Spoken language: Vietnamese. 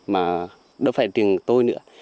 mà đâu phải tiền tôi nữa